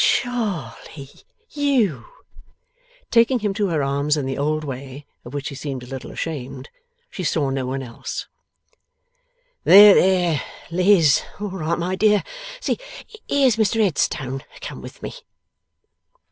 'Charley! You!' Taking him to her arms in the old way of which he seemed a little ashamed she saw no one else. 'There, there, there, Liz, all right my dear. See! Here's Mr Headstone come with me.